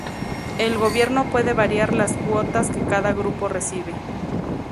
El gobierno puede variar las cuotas que cada grupo recibe.